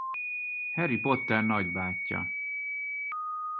Harry Potter nagybátyja.